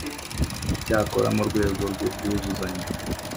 Cyakora mu rwego rw ubwuzuzanye